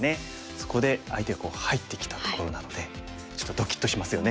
そこで相手が入ってきたところなのでちょっとドキッとしますよね。